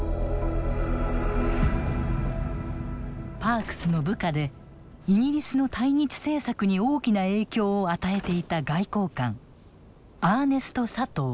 パークスの部下でイギリスの対日政策に大きな影響を与えていた外交官アーネスト・サトウ。